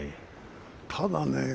ただね